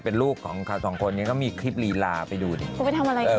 เพราะว่าเราเป็นลูกของกัน๒คนนี้ก็มีคลิปรีลาไปดูดิ